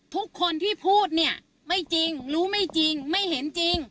ทุกคนที่พูดเนี่ยไม่จริงรู้ไม่จริงไม่เห็นจริง